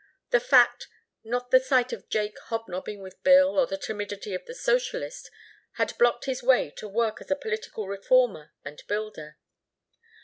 The fact, not the sight of Jake hobnobbing with Bill or the timidity of the socialist, had blocked his way to work as a political reformer and builder.